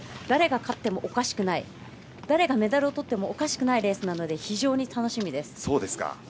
誰が勝ってもおかしくない誰がメダルをとってもおかしくないレースなので非常に楽しみです。